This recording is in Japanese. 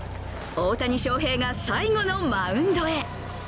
大谷翔平が最後のマウンドへ。